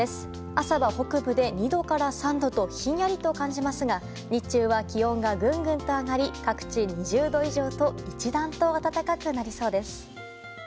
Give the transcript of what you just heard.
朝は北部で２度から３度とひんやりと感じますが日中は気温がぐんぐんと上がり各地２０度以上と一段と暖かくなりそうです。